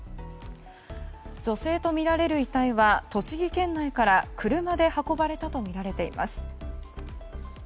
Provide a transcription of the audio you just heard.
女性とみられる遺体は栃木県内から車で運ばれたとみられています。